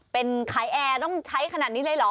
เป็นขายแอร์ต้องใช้ขนาดนี้เลยเหรอ